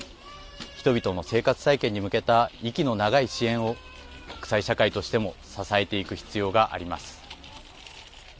人々の生活再建に向けた息の長い支援を国際社会としても支えていく必要があります。